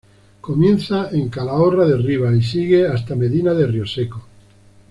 Comienza en Calahorra de Ribas y sigue hasta Medina de Rioseco.